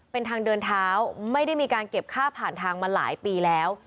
เป็นทางเดินเท้าไม่ได้มีการเก็บค่าผ่านทางมาหลายปีแล้ว